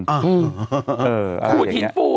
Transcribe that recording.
ขูดหินปู